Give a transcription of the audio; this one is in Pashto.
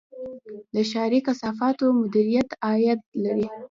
د ښاري کثافاتو مدیریت عاید لري